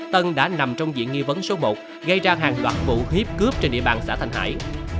tân đã nằm trong diện nghi vấn số một gây ra hàng loạt vụ hiếp cướp trên địa bàn xã thanh hải